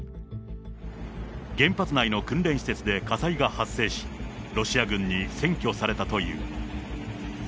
原発内の訓練施設で火災が発生し、ロシア軍に占拠されたという。